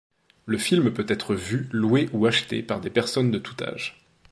Le film peut être vu, loué ou acheté par des personnes de tout âge.